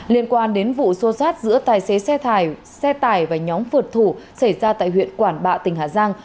liên quan đến vụ xô xát giữa tài xế xe tải và nhóm phượt thủ xảy ra tại huyện quản bạ tỉnh hà giang